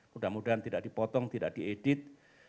mudah mudahan tidak dipotong tidak diedit